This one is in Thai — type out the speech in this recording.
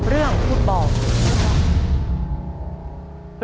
เรื่องฟุตบอล